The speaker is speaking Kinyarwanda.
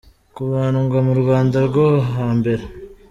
Kubandwa mu Rwanda rwo ha mbere.